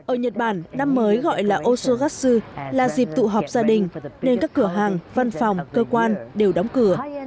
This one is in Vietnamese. ở nhật bản năm mới gọi là osogatsu là dịp tụ họp gia đình nên các cửa hàng văn phòng cơ quan đều đóng cửa